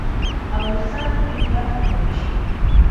او له سره پرې بیا فکر وشي.